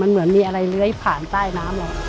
มันเหมือนมีอะไรเลื้อยผ่านใต้น้ำเรา